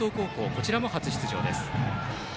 こちらも初出場です。